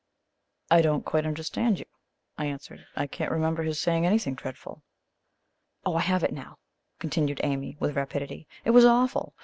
"I don't quite understand you," I answered; "I cannot remember his saying anything dreadful." "Oh, I have it now," continued Amy with rapidity; "it was awful!